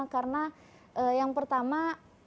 karena yang pertama